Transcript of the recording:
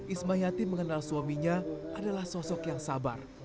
ismayati mengenal suaminya adalah sosok yang sabar